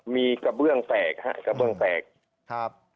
มีกระเบื้องแตกครับ